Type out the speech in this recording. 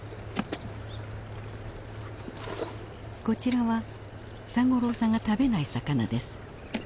こちらは三五郎さんが食べない魚です。